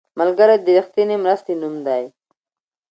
ملګری د رښتینې مرستې نوم دی